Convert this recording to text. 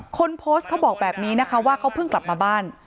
คนโพสต์เขาบอกแบบนี้นะคะว่าเขาเพิ่งกลับมาบ้าน